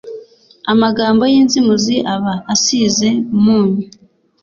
amagambo y'inzimuzi aba asize umunyu